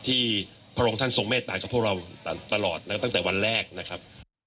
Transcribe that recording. พระองค์ท่านทรงเมตตากับพวกเราตลอดนะครับตั้งแต่วันแรกนะครับ